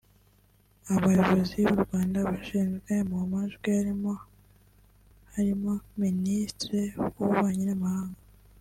Abayobozi b’u Rwanda bashyizwe mu majwi harimo harimo Ministre w’ububanyi n’amahanga